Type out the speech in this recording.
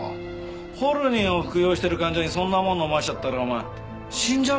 ホルニンを服用してる患者にそんなもの飲ませちゃったらお前死んじゃうかもしれねえんだぞ？